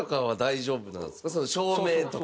照明とか。